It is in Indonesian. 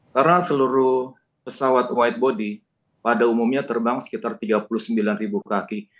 karena seluruh pesawat wide body pada umumnya terbang sekitar tiga puluh sembilan ribu kaki